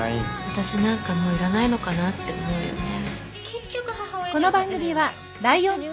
私なんかもういらないのかなって思うよね。